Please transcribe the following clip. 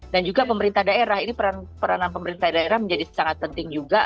juga pemerintah daerah ini peranan pemerintah daerah menjadi sangat penting juga